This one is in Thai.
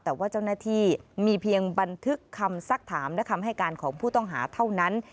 แต่ว่าเจ้าหน้าที่มีเพียงบันทึกคำสักถามและคำให้การของผู้ต้องหาเท่านั้น